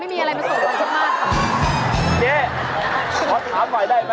ไม่มีอะไรมาส่งกวางแซมาตร